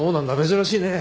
珍しいね。